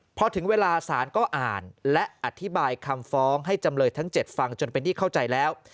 พอถึงเวลาสารก็อ่านและอธิบายคำฟ้องให้จำเลยทั้ง๗ฟังจนเป็นที่เข้าใจแล้ว